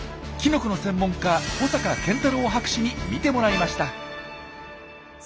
キノコの専門家保坂健太郎博士に見てもらいました。